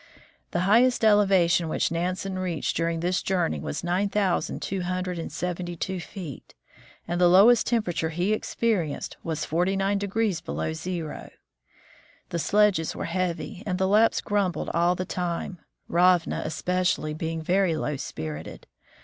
The highest elevation which Nansen reached during this journey was nine thousand two hun dred and seventy two feet, and the lowest temperature he experienced was 49 below zero. The sledges were heavy, and the Lapps grumbled all the time, Ravna especially being very low spirited.